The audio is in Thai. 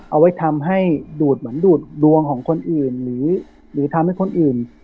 เอาไว้ทำให้ดูดเหมือนดูดดวงของคนอื่นหรือทำให้คนอื่น